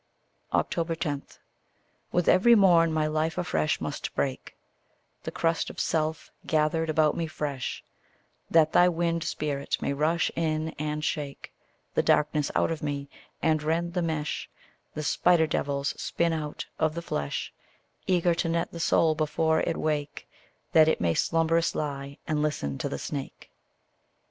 10. With every morn my life afresh must break The crust of self, gathered about me fresh; That thy wind spirit may rush in and shake The darkness out of me, and rend the mesh The spider devils spin out of the flesh Eager to net the soul before it wake, That it may slumberous lie, and listen to the snake.